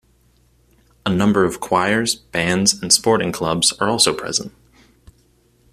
A number of choirs, bands and sporting clubs are also present.